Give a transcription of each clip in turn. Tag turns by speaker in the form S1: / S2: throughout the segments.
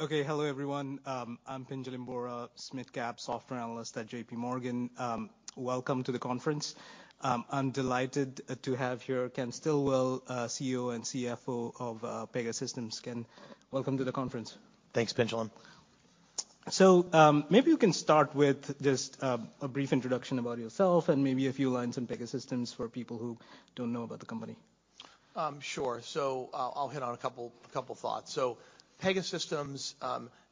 S1: Okay. Hello, everyone. I'm Pinjalim Bora, SMID-cap software analyst at JPMorgan. Welcome to the conference. I'm delighted to have here Ken Stillwell, CEO and CFO of Pegasystems. Ken, welcome to the conference.
S2: Thanks, Pinjalim.
S1: Maybe you can start with just a brief introduction about yourself and maybe a few lines on Pegasystems for people who don't know about the company.
S2: Sure. I'll hit on a couple thoughts. Pegasystems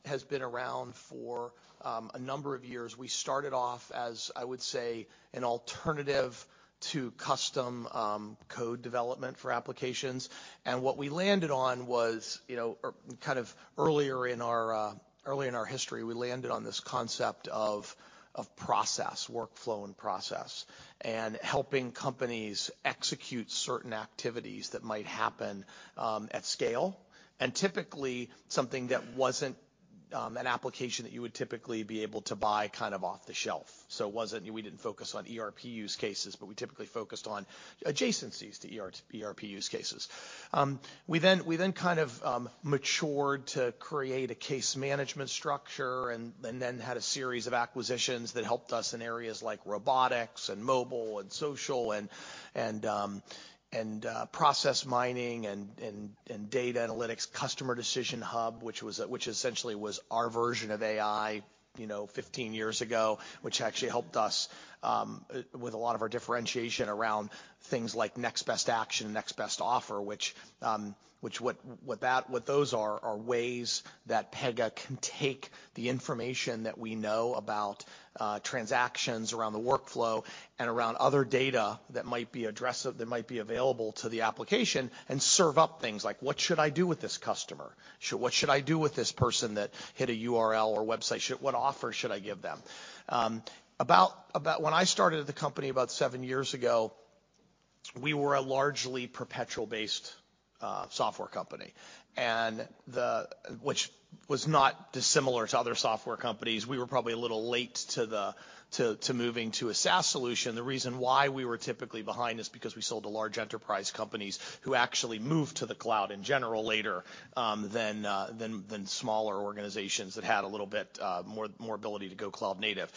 S2: has been around for a number of years. We started off as, I would say, an alternative to custom code development for applications. What we landed on was, you know. Or kind of earlier in our history, we landed on this concept of process, workflow and process, and helping companies execute certain activities that might happen at scale. Typically, something that wasn't an application that you would typically be able to buy kind of off the shelf. It wasn't. We didn't focus on ERP use cases, but we typically focused on adjacencies to ERP use cases. We then kind of, matured to create a case management structure and then had a series of acquisitions that helped us in areas like robotics and mobile and social and process mining and data analytics, Customer Decision Hub, which was, which essentially was our version of AI, you know, 15 years ago, which actually helped us with a lot of our differentiation around things like Next-Best-Action, Next-Best-Offer, which what those are ways that Pega can take the information that we know about, transactions around the workflow and around other data that might be available to the application and serve up things like, "What should I do with this customer? What should I do with this person that hit a URL or website? What offer should I give them? About... When I started at the company about seven years ago, we were a largely perpetual-based software company. Which was not dissimilar to other software companies. We were probably a little late to the moving to a SaaS solution. The reason why we were typically behind is because we sold to large enterprise companies who actually moved to the cloud in general later than smaller organizations that had a little bit more ability to go cloud native.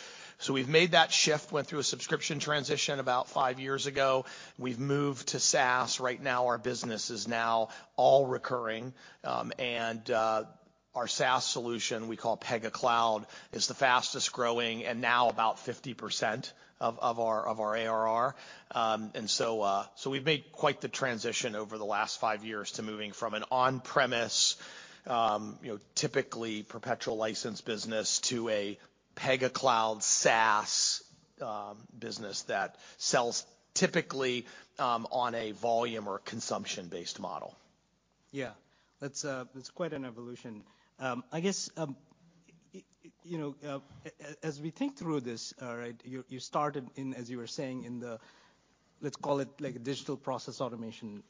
S2: We've made that shift, went through a subscription transition about five years ago. We've moved to SaaS. Right now our business is now all recurring. Our SaaS solution we call Pega Cloud is the fastest-growing and now about 50% of our ARR. We've made quite the transition over the last five years to moving from an on-premise, you know, typically perpetual license business to a Pega Cloud SaaS, business that sells typically, on a volume or consumption-based model.
S1: Yeah. That's, that's quite an evolution. I guess, you know, as we think through this, right, you started in, as you were saying, in the, let's call it like a digital process automation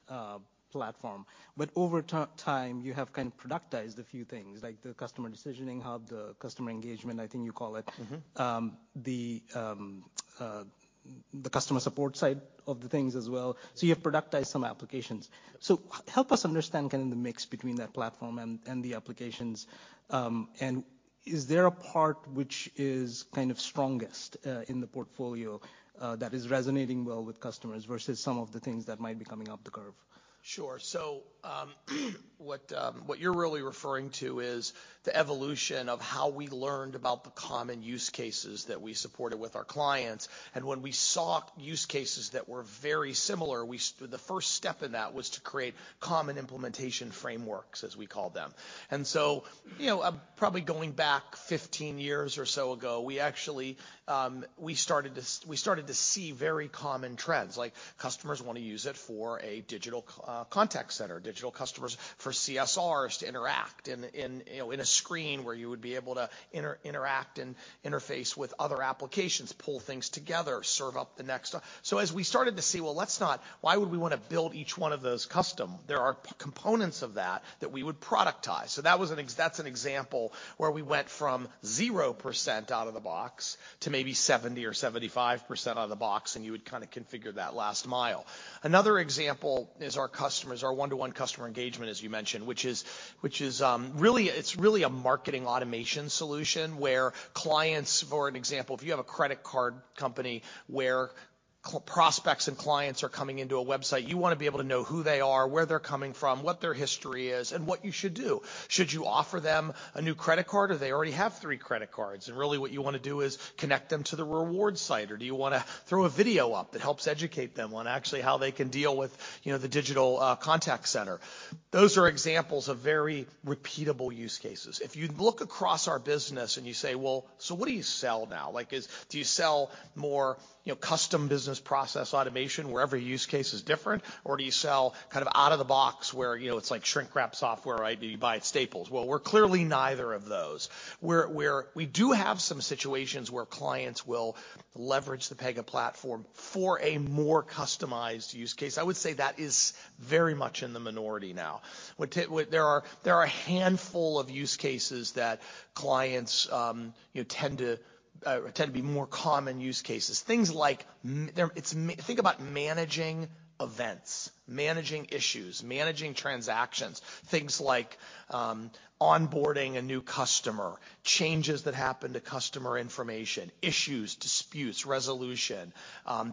S1: platform. Over time you have kind of productized a few things like the Customer Decision Hub, the customer engagement, I think you call it.
S2: Mm-hmm.
S1: The customer support side of the things as well. You have productized some applications. Help us understand kind of the mix between that platform and the applications. Is there a part which is kind of strongest in the portfolio that is resonating well with customers versus some of the things that might be coming up the curve?
S2: Sure. What you're really referring to is the evolution of how we learned about the common use cases that we supported with our clients. When we saw use cases that were very similar, The first step in that was to create common implementation frameworks, as we call them. you know, probably going back 15 years or so ago, we actually started to see very common trends. Like customers wanna use it for a digital contact center, digital customers for CSRs to interact in, you know, in a screen where you would be able to interact and interface with other applications, pull things together, serve up the next... As we started to see, well, let's not... Why would we wanna build each one of those custom? There are components of that we would productize. That's an example where we went from 0% out of the box to maybe 70% or 75% out of the box, and you would kind of configure that last mile. Another example is our customers, our one-to-one customer engagement, as you mentioned, which is really a marketing automation solution where clients, for an example, if you have a credit card company where prospects and clients are coming into a website, you wanna be able to know who they are, where they're coming from, what their history is, and what you should do. Should you offer them a new credit card or they already have three credit cards? Really what you wanna do is connect them to the rewards site. Do you wanna throw a video up that helps educate them on actually how they can deal with, you know, the digital contact center? Those are examples of very repeatable use cases. If you look across our business and you say, "Well, what do you sell now? Like, is, do you sell more, you know, custom digital process automation, where every use case is different? Do you sell kind of out of the box where, you know, it's like shrink wrap software, right? Do you buy staples?" We're clearly neither of those. We do have some situations where clients will leverage the Pega platform for a more customized use case. I would say that is very much in the minority now. There are a handful of use cases that clients, you know, tend to be more common use cases. Things like think about managing events, managing issues, managing transactions. Things like onboarding a new customer, changes that happen to customer information, issues, disputes, resolution.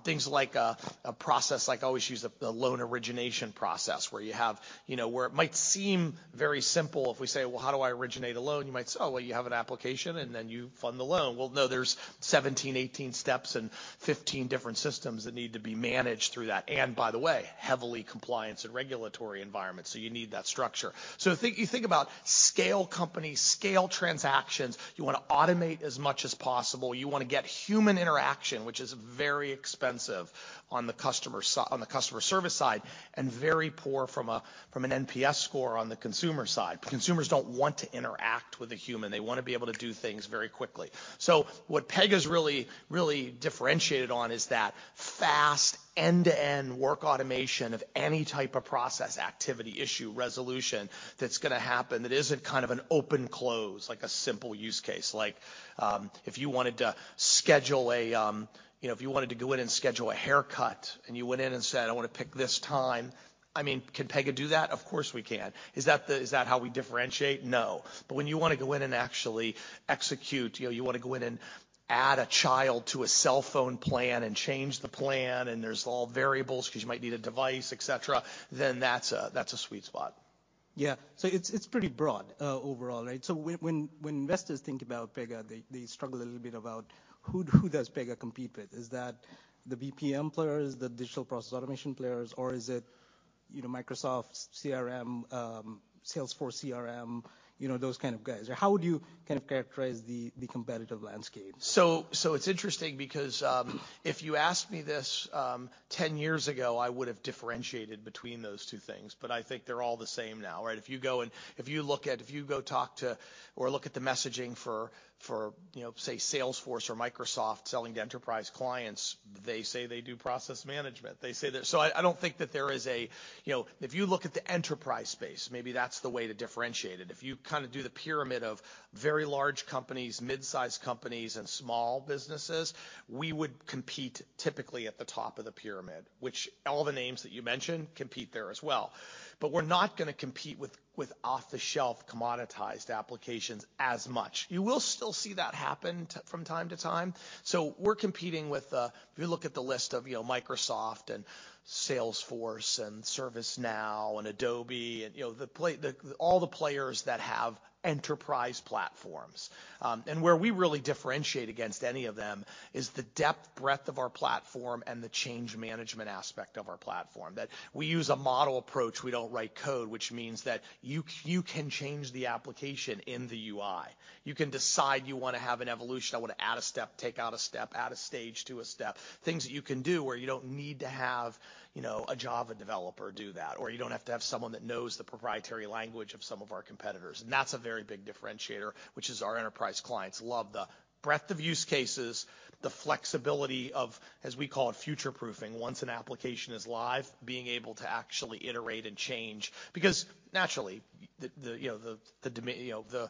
S2: Things like a process like I always use the loan origination process, where you have, you know, where it might seem very simple if we say, "Well, how do I originate a loan?" You might say, "Oh, well, you have an application, and then you fund the loan." Well, no, there's 17, 18 steps and 15 different systems that need to be managed through that. By the way, heavily compliance and regulatory environment, so you need that structure. You think about scale companies, scale transactions, you wanna automate as much as possible. You wanna get human interaction, which is very expensive on the customer service side, and very poor from an NPS score on the consumer side. Consumers don't want to interact with a human. They wanna be able to do things very quickly. What Pega's really differentiated on is that fast end-to-end work automation of any type of process, activity, issue, resolution that's gonna happen that isn't kind of an open close, like a simple use case. Like, if you wanted to schedule a, you know, if you wanted to go in and schedule a haircut, and you went in and said, "I wanna pick this time," I mean, can Pega do that? Of course we can. Is that how we differentiate? No. When you wanna go in and actually execute, you know, you wanna go in and add a child to a cellphone plan and change the plan, and there's all variables 'cause you might need a device, et cetera, then that's a sweet spot.
S1: Yeah. It's pretty broad overall, right? When investors think about Pega, they struggle a little bit about who does Pega compete with? Is that the BPM players, the digital process automation players, or is it, you know, Microsoft's CRM, Salesforce CRM, you know, those kind of guys? How would you kind of characterize the competitive landscape?
S2: It's interesting because, if you asked me this 10 years ago, I would've differentiated between those two things, but I think they're all the same now, right? If you go talk to or look at the messaging for, you know, say Salesforce or Microsoft selling to enterprise clients, they say they do process management. They say that. I don't think that there is a, you know, if you look at the enterprise space, maybe that's the way to differentiate it. If you kind of do the pyramid of very large companies, mid-size companies, and small businesses, we would compete typically at the top of the pyramid, which all the names that you mentioned compete there as well. We're not gonna compete with off-the-shelf commoditized applications as much. You will still see that happen from time to time. We're competing with, if you look at the list of, you know, Microsoft and Salesforce and ServiceNow and Adobe, and, you know, all the players that have enterprise platforms. Where we really differentiate against any of them is the depth, breadth of our platform and the change management aspect of our platform. That we use a model approach, we don't write code, which means that you can change the application in the UI. You can decide you wanna have an evolution. I wanna add a step, take out a step, add a stage to a step. Things that you can do where you don't need to have, you know, a Java developer do that, or you don't have to have someone that knows the proprietary language of some of our competitors. That's a very big differentiator, which is our enterprise clients love the breadth of use cases, the flexibility of, as we call it, future-proofing. Once an application is live, being able to actually iterate and change. Because naturally, the, you know, the, you know,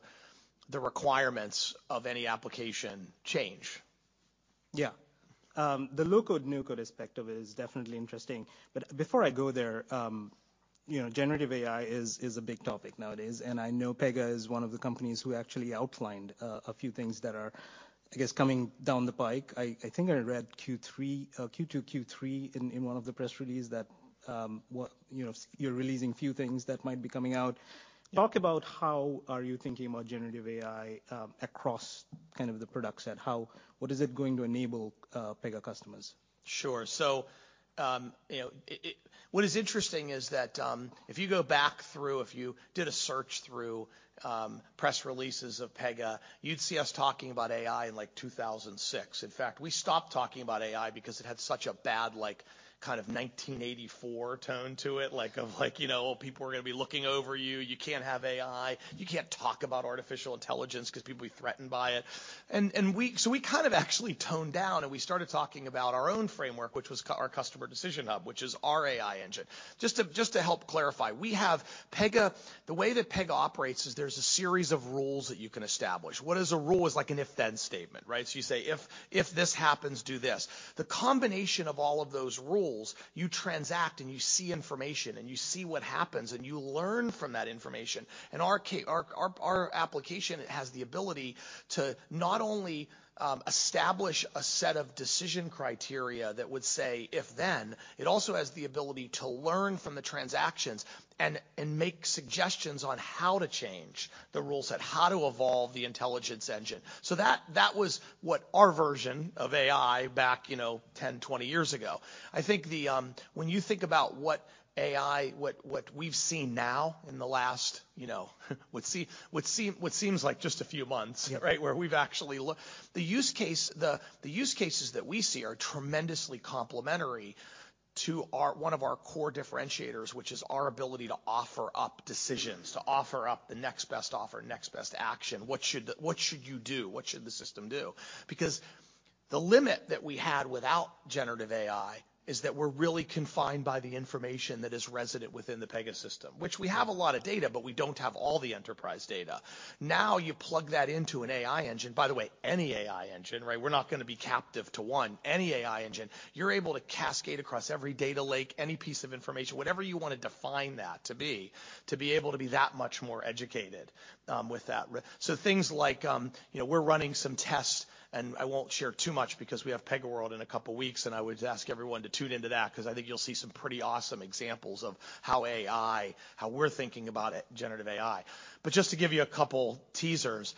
S2: the requirements of any application change.
S1: Yeah. The low-code/no-code aspect of it is definitely interesting. Before I go there, you know, generative AI is a big topic nowadays, and I know Pega is one of the companies who actually outlined a few things that are, I guess, coming down the pike. I think I read Q3, Q2, Q3 in one of the press release that, you know, you're releasing a few things that might be coming out.
S2: Yeah.
S1: Talk about how are you thinking about generative AI, across kind of the product set. What is it going to enable Pega customers?
S2: Sure. You know, it... What is interesting is that, if you go back through, if you did a search through, press releases of Pega, you'd see us talking about AI in, like, 2006. In fact, we stopped talking about AI because it had such a bad, like, kind of 1984 tone to it, like, of like, you know, people are gonna be looking over you. You can't have AI. You can't talk about artificial intelligence 'cause people will be threatened by it. We kind of actually toned down, and we started talking about our own framework, which was our Customer Decision Hub, which is our AI engine. Just to help clarify, we have Pega... The way that Pega operates is there's a series of rules that you can establish. What is a rule? It's like an if-then statement, right? You say, "If this happens, do this." The combination of all of those rules, you transact, and you see information, and you see what happens, and you learn from that information. Our application has the ability to not only establish a set of decision criteria that would say if-then, it also has the ability to learn from the transactions and make suggestions on how to change the rule set, how to evolve the intelligence engine. That, that was what our version of AI back, you know, 10, 20 years ago. I think the when you think about what AI, what we've seen now in the last, you know, would seems like just a few months.
S1: Yeah.
S2: Right? Where we've actually the use cases that we see are tremendously complementary to our, one of our core differentiators, which is our ability to offer up decisions, to offer up the Next Best Offer, Next-Best-Action. What should you do? What should the system do? The limit that we had without generative AI is that we're really confined by the information that is resident within the Pega system, which we have a lot of data, but we don't have all the enterprise data. Now you plug that into an AI engine, by the way, any AI engine, right? We're not gonna be captive to one. Any AI engine, you're able to cascade across every data lake, any piece of information, whatever you wanna define that to be, to be able to be that much more educated with that. Things like, you know, we're running some tests, and I won't share too much because we have PegaWorld in a couple of weeks, and I would ask everyone to tune into that because I think you'll see some pretty awesome examples of how AI, how we're thinking about generative AI. Just to give you a couple teasers,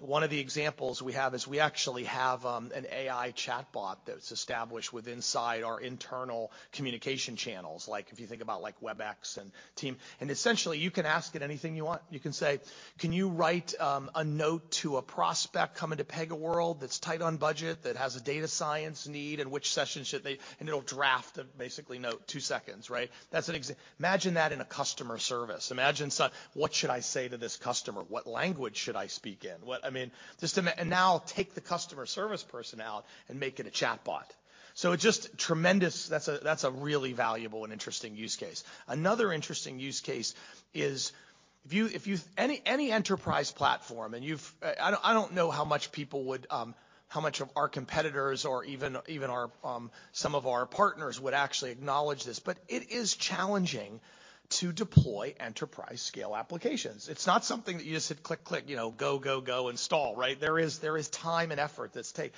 S2: one of the examples we have is we actually have an AI chatbot that's established with inside our internal communication channels, like if you think about like Webex and Teams. Essentially, you can ask it anything you want. You can say, "Can you write a note to a prospect coming to PegaWorld that's tight on budget, that has a data science need, and which session should they?" It'll draft a basically note, two seconds, right? That's Imagine that in a customer service? Imagine, "What should I say to this customer? What language should I speak in?" Now take the customer service personnel and make it a chatbot. It's just tremendous. That's a, that's a really valuable and interesting use case. Another interesting use case is if you any enterprise platform, and I don't know how much people would, how much of our competitors or even our some of our partners would actually acknowledge this, but it is challenging to deploy enterprise scale applications. It's not something that you just hit click, you know, go install, right? There is time and effort that's take.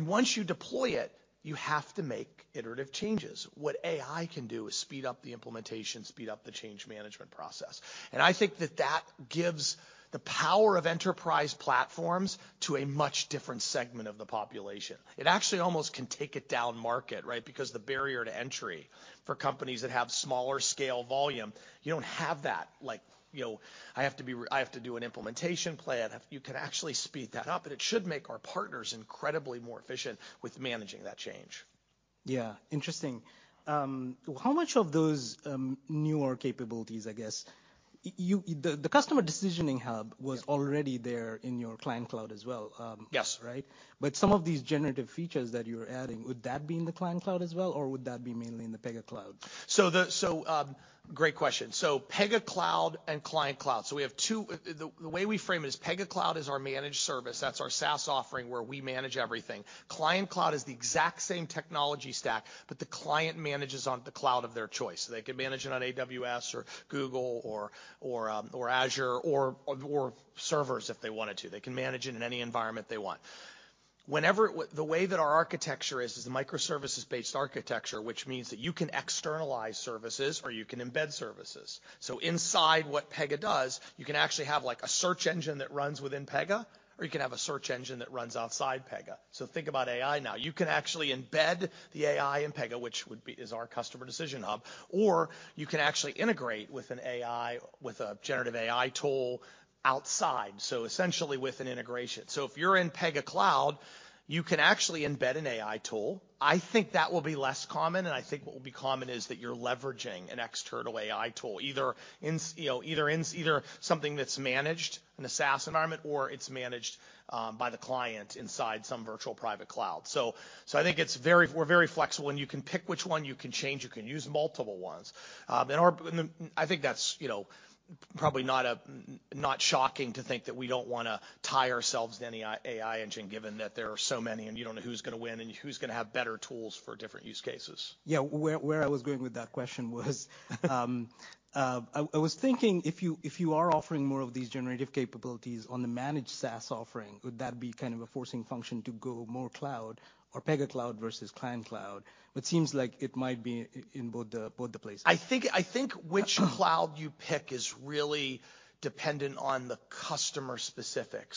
S2: Once you deploy it, you have to make iterative changes. What AI can do is speed up the implementation, speed up the change management process. I think that that gives the power of enterprise platforms to a much different segment of the population. It actually almost can take it down market, right? Because the barrier to entry for companies that have smaller scale volume, you don't have that. Like, you know, I have to do an implementation plan. You can actually speed that up, and it should make our partners incredibly more efficient with managing that change.
S1: Yeah. Interesting. How much of those, newer capabilities, I guess, the Customer Decision Hub was already there in your Client Cloud as well?
S2: Yes.
S1: Right? Some of these generative features that you're adding, would that be in the Client Cloud as well? Or would that be mainly in the Pega Cloud?
S2: Great question. Pega Cloud and Client Cloud. We have two. The way we frame it is Pega Cloud is our managed service. That's our SaaS offering where we manage everything. Client Cloud is the exact same technology stack, but the client manages on the cloud of their choice. They can manage it on AWS or Google or Azure or servers if they wanted to. They can manage it in any environment they want. The way that our architecture is a microservices-based architecture, which means that you can externalize services or you can embed services. Inside what Pega does, you can actually have like a search engine that runs within Pega, or you can have a search engine that runs outside Pega. Think about AI now. You can actually embed the AI in Pega, is our Pega Customer Decision Hub, or you can actually integrate with an AI, with a generative AI tool outside. Essentially with an integration. If you're in Pega Cloud, you can actually embed an AI tool. I think that will be less common, and I think what will be common is that you're leveraging an external AI tool, either something that's managed in a SaaS environment, or it's managed by the client inside some virtual private cloud. I think it's very, we're very flexible, and you can pick which one. You can change. You can use multiple ones. Our, and then I think that's, you know, probably not a, not shocking to think that we don't wanna tie ourselves to any AI engine, given that there are so many and you don't know who's gonna win and who's gonna have better tools for different use cases.
S1: Yeah. Where I was going with that question was. I was thinking if you are offering more of these generative capabilities on the managed SaaS offering, would that be kind of a forcing function to go more cloud or Pega Cloud versus Client Cloud? It seems like it might be in both the places.
S2: I think which cloud you pick is really dependent on the customer specific.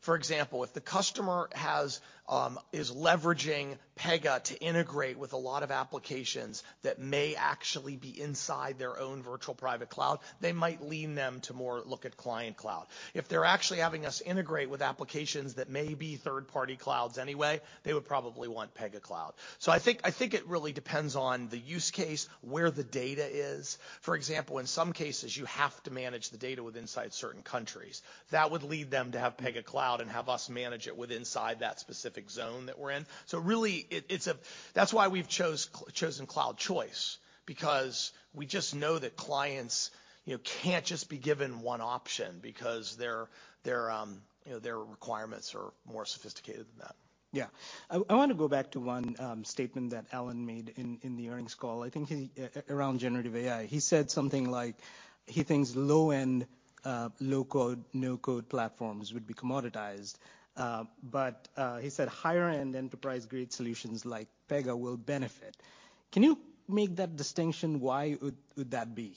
S2: For example, if the customer has, is leveraging Pega to integrate with a lot of applications that may actually be inside their own virtual private cloud, they might lean them to more look at Client Cloud. If they're actually having us integrate with applications that may be third-party clouds anyway, they would probably want Pega Cloud. I think it really depends on the use case, where the data is. For example, in some cases, you have to manage the data with inside certain countries. That would lead them to have Pega Cloud and have us manage it with inside that specific zone that we're in. Really it's a... That's why we've chosen cloud choice, because we just know that clients, you know, can't just be given one option because their, you know, their requirements are more sophisticated than that.
S1: Yeah. I wanna go back to one statement that Alan made in the earnings call. I think he around generative AI. He said something like he thinks low-end low-code/no-code platforms would be commoditized. He said higher-end enterprise-grade solutions like Pega will benefit. Can you make that distinction? Why would that be?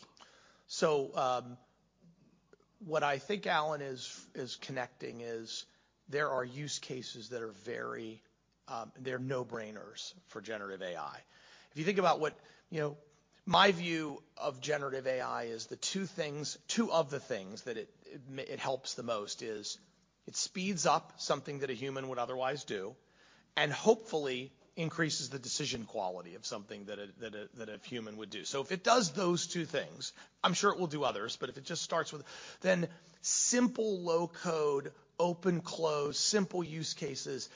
S2: What I think Alan is connecting is there are use cases that are very, they're no-brainers for generative AI. If you think about what, you know, my view of generative AI is the two of the things that it helps the most is it speeds up something that a human would otherwise do, and hopefully increases the decision quality of something that a human would do. If it does those 2 things, I'm sure it will do others, but if it just starts with... Simple low-code, open close, simple use cases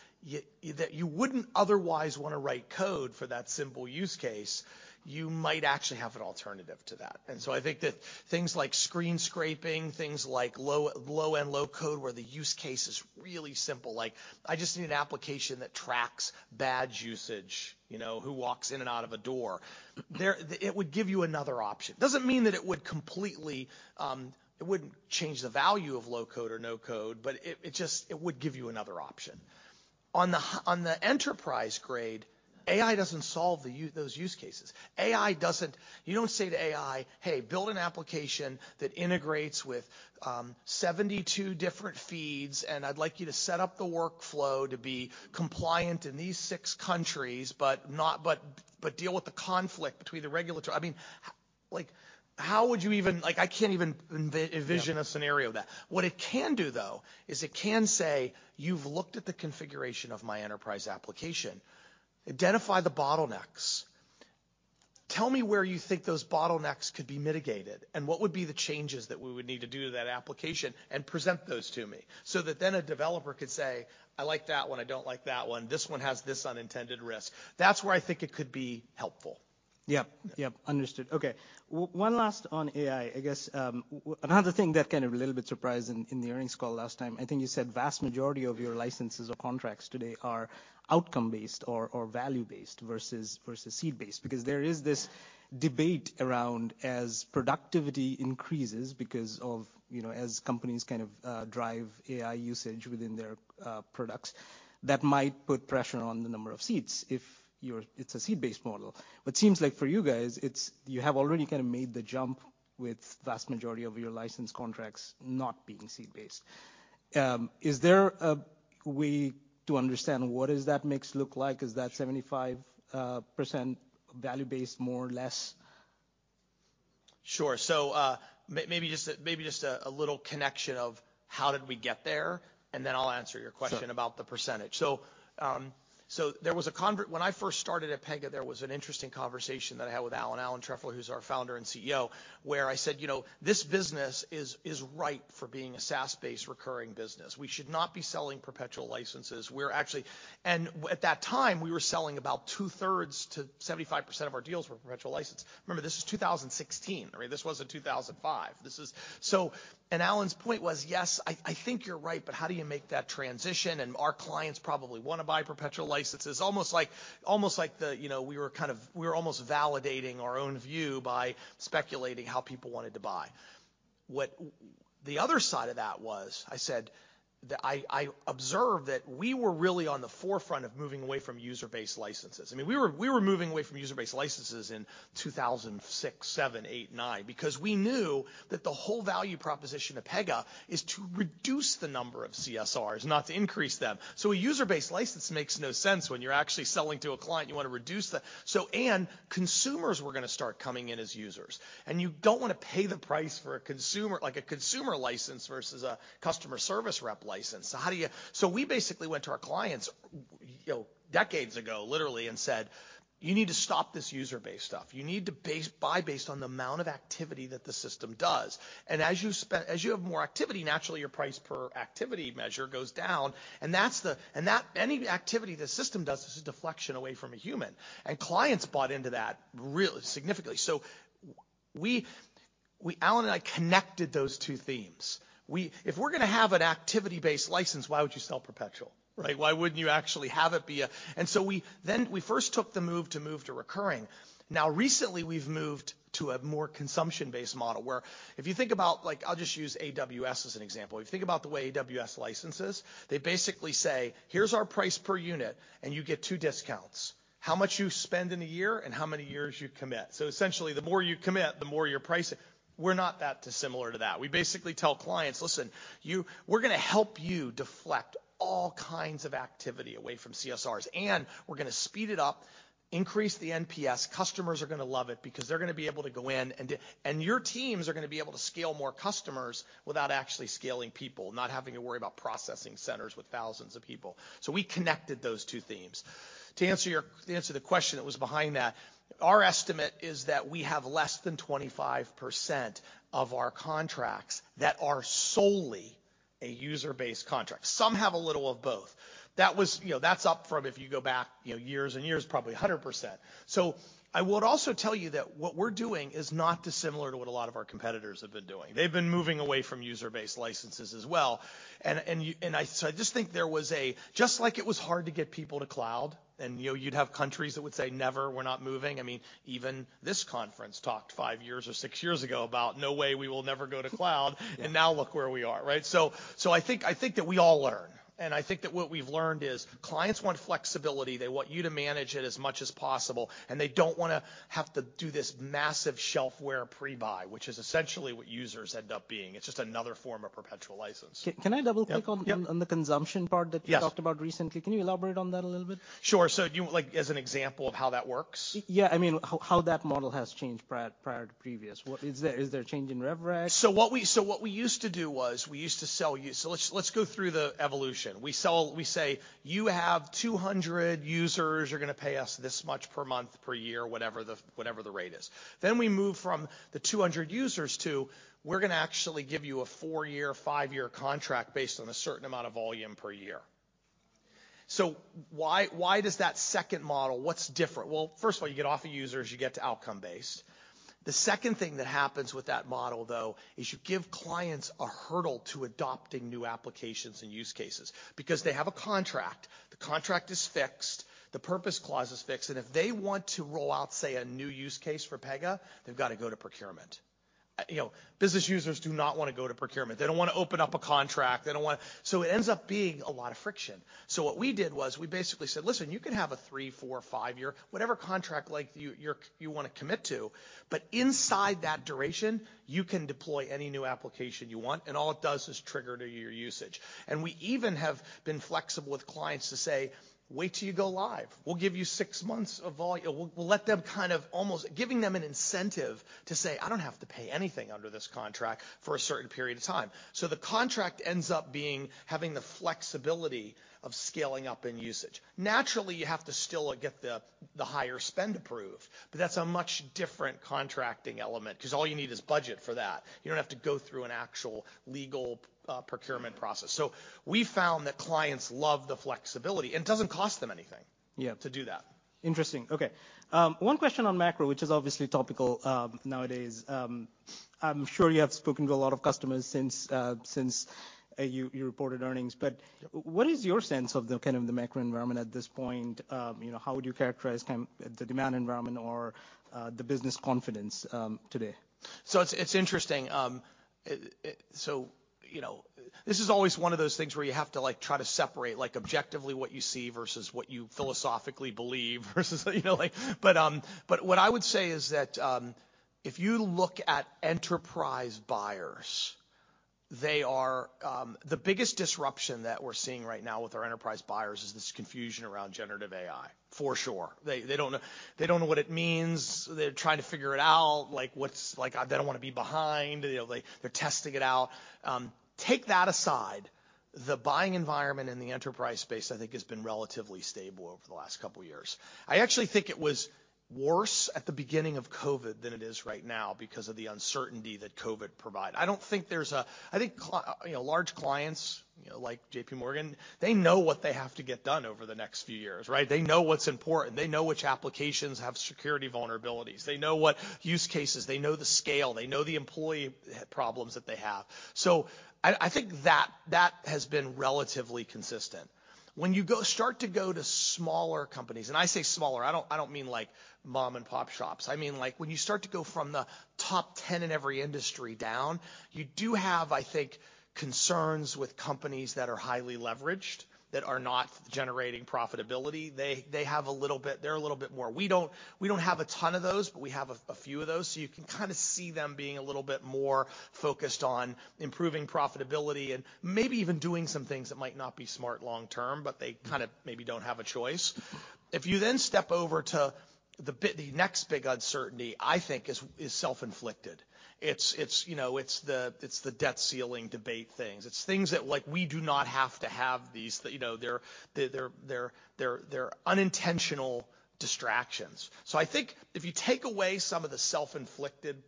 S2: that you wouldn't otherwise wanna write code for that simple use case, you might actually have an alternative to that. I think that things like screen scraping, things like low-end low-code where the use case is really simple, like I just need an application that tracks badge usage, you know, who walks in and out of a door. It would give you another option. Doesn't mean that it would completely, it wouldn't change the value of low-code or no-code, but it just, it would give you another option. On the enterprise grade, AI doesn't solve those use cases. AI doesn't. You don't say to AI, "Hey, build an application that integrates with 72 different feeds, and I'd like you to set up the workflow to be compliant in these six countries, but deal with the conflict between the regulatory..." I mean, like how would you even? Like I can't even envision.
S1: Yeah...
S2: a scenario of that. What it can do though, is it can say, "You've looked at the configuration of my enterprise application. Identify the bottlenecks. Tell me where you think those bottlenecks could be mitigated, and what would be the changes that we would need to do to that application, and present those to me." That then a developer could say, "I like that one. I don't like that one. This one has this unintended risk." That's where I think it could be helpful.
S1: Yep. Yep. Understood. Okay. One last on AI, I guess. Another thing that kind of a little bit surprised in the earnings call last time, I think you said vast majority of your licenses or contracts today are outcome based or value based versus seat-based. Because there is this debate around as productivity increases because of, you know, as companies kind of drive AI usage within their products, that might put pressure on the number of seats if you're, it's a seat-based model. Seems like for you guys, it's, you have already kind of made the jump with vast majority of your license contracts not being seat-based. Is there a way to understand what does that mix look like? Is that 75% value based, more or less?
S2: Sure. maybe just a little connection of how did we get there, and then I'll answer your question.
S1: Sure...
S2: about the percentage. There was an interesting conversation that I had with Alan Trefler, who's our Founder and CEO, where I said, "You know, this business is ripe for being a SaaS-based recurring business. We should not be selling perpetual licenses. We're actually." At that time, we were selling about 2/3 to 75% of our deals were perpetual license. Remember, this was 2016, right? This wasn't 2005. This is. Alan's point was, "Yes, I think you're right, but how do you make that transition? And our clients probably wanna buy perpetual licenses." Almost like the, you know, we were kind of, we were almost validating our own view by speculating how people wanted to buy. What the other side of that was, I said that I observed that we were really on the forefront of moving away from user-based licenses. I mean, we were moving away from user-based licenses in 2006, 2007, 2008, and 2009 because we knew that the whole value proposition of Pega is to reduce the number of CSRs, not to increase them. A user-based license makes no sense when you're actually selling to a client, you want to reduce the. Consumers were going to start coming in as users, and you don't want to pay the price for a consumer, like a consumer license versus a customer service rep license. How do you. We basically went to our clients, you know, decades ago, literally, and said, "You need to stop this user-based stuff. You need to base, buy based on the amount of activity that the system does. As you have more activity, naturally your price per activity measure goes down. Any activity the system does is a deflection away from a human. Clients bought into that really significantly. Alan and I connected those two themes. If we're gonna have an activity-based license, why would you sell perpetual, right? Why wouldn't you actually have it be? We first took the move to move to recurring. Now, recently we've moved to a more consumption-based model, where if you think about, like, I'll just use AWS as an example. If you think about the way AWS licenses, they basically say, "Here's our price per unit, and you get two discounts: how much you spend in a year and how many years you commit." Essentially, the more you commit, the more you're pricing. We're not that dissimilar to that. We basically tell clients, "Listen, you, we're gonna help you deflect all kinds of activity away from CSRs, and we're gonna speed it up, increase the NPS. Customers are gonna love it because they're gonna be able to go in and your teams are gonna be able to scale more customers without actually scaling people, not having to worry about processing centers with thousands of people." We connected those two themes. To answer the question that was behind that, our estimate is that we have less than 25% of our contracts that are solely a user-based contract. Some have a little of both. That was, you know, that's up from if you go back, you know, years and years, probably 100%. I would also tell you that what we're doing is not dissimilar to what a lot of our competitors have been doing. They've been moving away from user-based licenses as well. I, so I just think there was a... Just like it was hard to get people to cloud, and, you know, you'd have countries that would say, "Never, we're not moving." I mean, even this conference talked five years or six years ago about, "No way, we will never go to cloud.
S1: Yeah.
S2: Now look where we are, right? I think that we all learn. I think that what we've learned is clients want flexibility. They want you to manage it as much as possible, and they don't wanna have to do this massive shelf where pre-buy, which is essentially what users end up being. It's just another form of perpetual license.
S1: Can I double click?
S2: Yep....
S1: on the consumption part that.
S2: Yes...
S1: talked about recently? Can you elaborate on that a little bit?
S2: Sure. you, like, as an example of how that works?
S1: yeah. I mean, how that model has changed prior to previous. What is there a change in rev rec?
S2: What we used to do was we used to sell. Let's go through the evolution. We sell, we say, "You have 200 users. You're gonna pay us this much per month, per year," whatever the rate is. We move from the 200 users to, "We're gonna actually give you a four-year, five-year contract based on a certain amount of volume per year." Why does that second model, what's different? Well, first of all, you get off of users, you get to outcome-based. The second thing that happens with that model, though, is you give clients a hurdle to adopting new applications and use cases because they have a contract. The contract is fixed, the purpose clause is fixed. If they want to roll out, say, a new use case for Pega, they've got to go to procurement. You know, business users do not wanna go to procurement. They don't wanna open up a contract, they don't wanna. It ends up being a lot of friction. What we did was we basically said, "Listen, you can have a three, four, five-year, whatever contract length you wanna commit to, but inside that duration, you can deploy any new application you want, and all it does is trigger to your usage." We even have been flexible with clients to say, "Wait till you go live. We'll let them kind of almost giving them an incentive to say, "I don't have to pay anything under this contract for a certain period of time." The contract ends up being, having the flexibility of scaling up in usage. Naturally, you have to still get the higher spend approved, but that's a much different contracting element 'cause all you need is budget for that. You don't have to go through an actual legal procurement process. We found that clients love the flexibility, and it doesn't cost them anything.
S1: Yeah...
S2: to do that.
S1: Interesting. Okay. One question on macro, which is obviously topical, nowadays. I'm sure you have spoken to a lot of customers since you reported earnings, but what is your sense of the kind of the macro environment at this point? You know, how would you characterize kind... the demand environment or, the business confidence, today?
S2: It's interesting. You know, this is always one of those things where you have to, like, try to separate, like, objectively what you see versus what you philosophically believe versus, you know, like. What I would say is that, if you look at enterprise buyers, they are... The biggest disruption that we're seeing right now with our enterprise buyers is this confusion around generative AI, for sure. They don't know what it means. They're trying to figure it out, like, what's... Like, they don't wanna be behind. You know, like, they're testing it out. Take that aside, the buying environment in the enterprise space, I think, has been relatively stable over the last couple of years. I actually think it was worse at the beginning of COVID than it is right now because of the uncertainty that COVID provided. I think you know, large clients, you know, like JPMorgan, they know what they have to get done over the next few years, right? They know what's important. They know which applications have security vulnerabilities. They know what use cases, they know the scale, they know the employee problems that they have. I think that has been relatively consistent. When you start to go to smaller companies, and I say smaller, I don't mean like mom-and-pop shops. I mean, like, when you start to go from the top 10 in every industry down, you do have, I think, concerns with companies that are highly leveraged, that are not generating profitability. They have a little bit. We don't have a ton of those, but we have a few of those. You can kinda see them being a little bit more focused on improving profitability and maybe even doing some things that might not be smart long term, but they kinda maybe don't have a choice. You step over to the next big uncertainty, I think is self-inflicted. It's, you know, it's the debt ceiling debate things. It's things that, like, we do not have to have these. You know, they're unintentional distractions. I think if you take away some of the self-inflicted,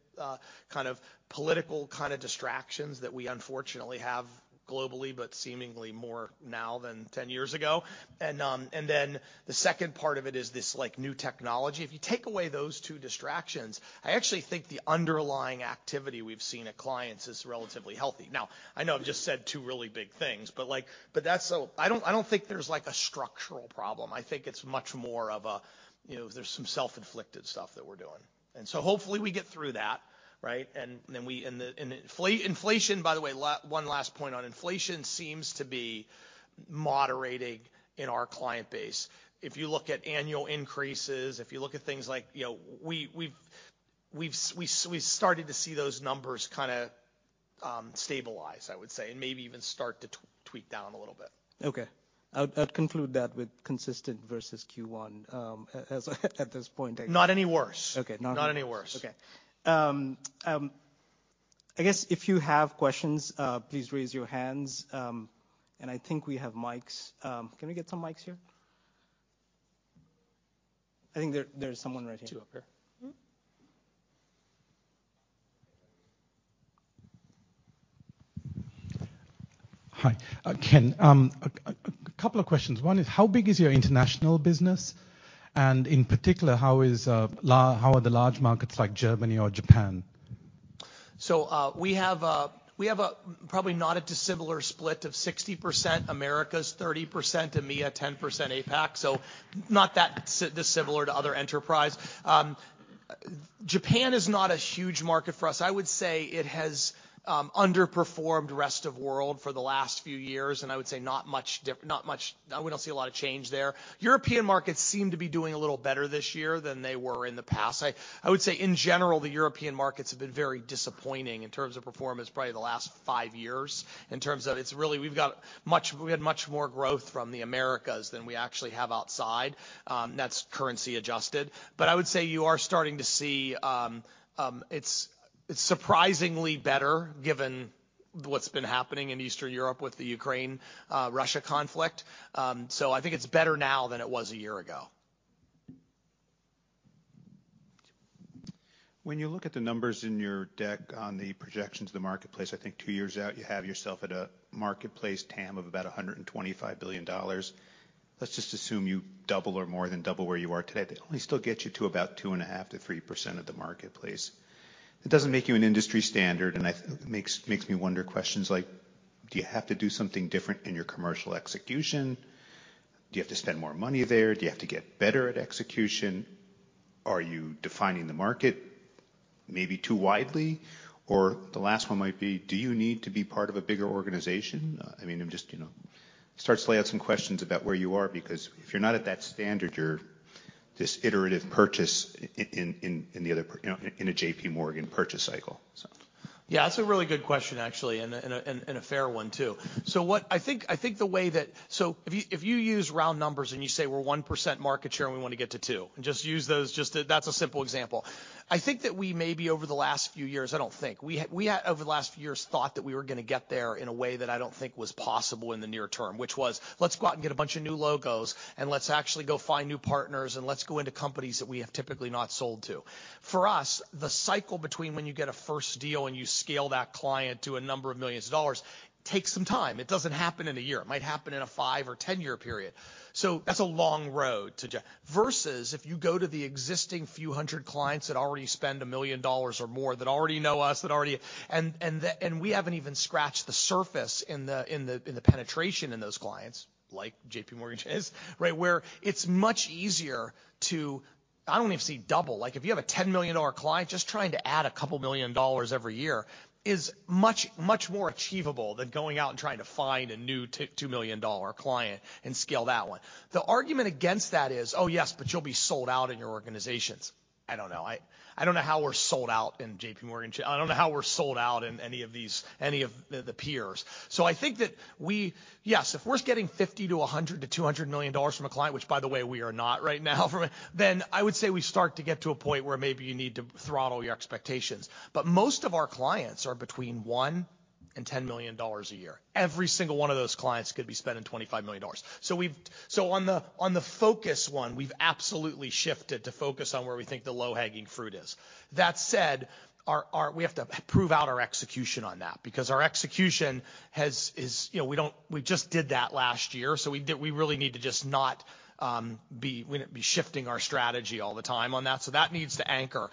S2: kind of political kind of distractions that we unfortunately have globally, but seemingly more now than 10 years ago, and then the second part of it is this, like, new technology. If you take away those 2 distractions, I actually think the underlying activity we've seen at clients is relatively healthy. Now, I know I've just said 2 really big things, but like, I don't think there's, like, a structural problem. I think it's much more of a, you know, there's some self-inflicted stuff that we're doing. Hopefully we get through that, right? The inflation, by the way, one last point on inflation seems to be moderating in our client base. If you look at annual increases, if you look at things like, you know, we've started to see those numbers kinda, stabilize, I would say, and maybe even start to tweak down a little bit.
S1: Okay. I'd conclude that with consistent versus Q1, as, at this point, I guess.
S2: Not any worse.
S1: Okay. Not any worse.
S2: Not any worse.
S1: Okay. I guess if you have questions, please raise your hands. I think we have mics. Can we get some mics here? I think there's someone right here.
S2: Two up here.
S1: Mm-hmm.
S3: Hi. Ken, a couple of questions. One is, how big is your international business? And in particular, how are the large markets like Germany or Japan?
S2: We have a probably not a dissimilar split of 60% Americas, 30% EMEA, 10% APAC. Not that dissimilar to other enterprise. Japan is not a huge market for us. I would say it has underperformed rest of world for the last few years, and I would say not much. We don't see a lot of change there. European markets seem to be doing a little better this year than they were in the past. I would say in general, the European markets have been very disappointing in terms of performance probably the last five years in terms of it's really we had much more growth from the Americas than we actually have outside, that's currency adjusted. I would say you are starting to see, it's surprisingly better given what's been happening in Eastern Europe with the Ukraine, Russia conflict. I think it's better now than it was a year ago.
S4: When you look at the numbers in your deck on the projections of the marketplace, I think two years out, you have yourself at a marketplace TAM of about $125 billion. Let's just assume you double or more than double where you are today. That only still gets you to about 2.5% to 3% of the marketplace. It doesn't make you an industry standard, and makes me wonder questions like, do you have to do something different in your commercial execution? Do you have to spend more money there? Do you have to get better at execution? Are you defining the market maybe too widely? Or the last one might be, do you need to be part of a bigger organization? I mean, I'm just, you know, start to lay out some questions about where you are because if you're not at that standard, you're this iterative purchase in the other per... you know, in a JPMorgan purchase cycle, so.
S2: Yeah, that's a really good question, actually, and a fair one too. What I think, the way that if you use round numbers and you say we're 1% market share and we wanna get to two, and just use those just to. That's a simple example. I think that we maybe over the last few years, we had over the last few years thought that we were gonna get there in a way that I don't think was possible in the near term, which was, let's go out and get a bunch of new logos, and let's actually go find new partners, and let's go into companies that we have typically not sold to. For us, the cycle between when you get a first deal and you scale that client to a number of millions of dollars takes some time. It doesn't happen in a year. It might happen in a five- or 10-year period. That's a long road. Versus if you go to the existing few hundred clients that already spend $1 million or more, that already know us, that already. We haven't even scratched the surface in the penetration in those clients like JPMorgan Chase. Right, where it's much easier to, I don't even see double. Like, if you have a $10 million client, just trying to add $2 million every year is much more achievable than going out and trying to find a new $2 million client and scale that one. The argument against that is, "Oh yes, but you'll be sold out in your organizations." I don't know. I don't know how we're sold out in JPMorgan Chase. I don't know how we're sold out in any of these, any of the peers. I think that we, yes, if we're getting $50 million to $100 million to $200 million from a client, which by the way, we are not right now, then I would say we start to get to a point where maybe you need to throttle your expectations. Most of our clients are between $1 million and $10 million a year. Every single one of those clients could be spending $25 million. On the focus one, we've absolutely shifted to focus on where we think the low-hanging fruit is. That said, our. We have to prove out our execution on that, because our execution has, you know, We just did that last year, we really need to just not be shifting our strategy all the time on that. That needs to anchor.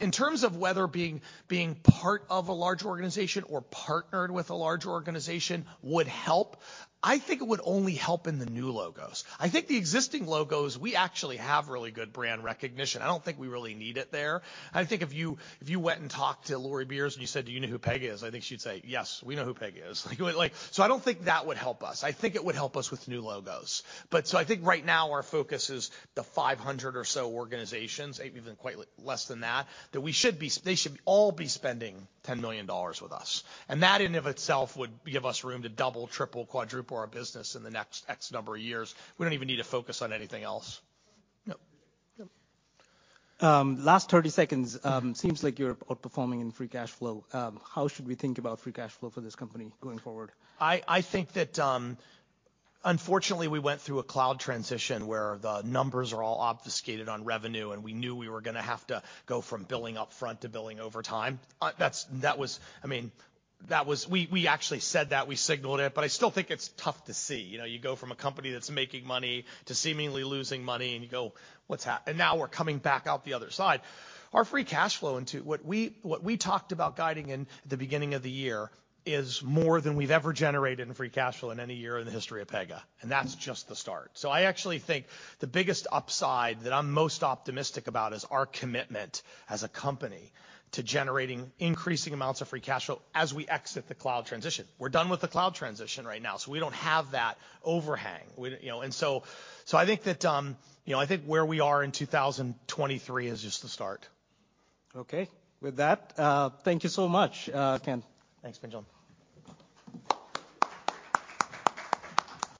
S2: In terms of whether being part of a larger organization or partnered with a larger organization would help, I think it would only help in the new logos. I think the existing logos, we actually have really good brand recognition. I don't think we really need it there. I think if you, if you went and talked to Lori Beer, and you said, "Do you know who Pega is?" I think she'd say, "Yes, we know who Pega is." I don't think that would help us. I think it would help us with new logos. I think right now our focus is the 500 or so organizations, maybe even quite less than that they should all be spending $10 million with us. That in of itself would give us room to double, triple, quadruple our business in the next X number of years. We don't even need to focus on anything else.
S1: No.
S2: No.
S1: Last 30 seconds. Seems like you're outperforming in free cash flow. How should we think about free cash flow for this company going forward?
S2: I think that, unfortunately, we went through a cloud transition where the numbers are all obfuscated on revenue. We knew we were gonna have to go from billing up front to billing over time. I mean, that was... We actually said that, we signaled it, but I still think it's tough to see. You know, you go from a company that's making money to seemingly losing money. Now we're coming back out the other side. Our free cash flow into... What we talked about guiding in the beginning of the year is more than we've ever generated in free cash flow in any year in the history of Pega. That's just the start. I actually think the biggest upside that I'm most optimistic about is our commitment as a company to generating increasing amounts of free cash flow as we exit the cloud transition. We're done with the cloud transition right now, so we don't have that overhang. I think where we are in 2023 is just the start.
S1: Okay. With that, thank you so much, Ken.
S2: Thanks, Pinjalim.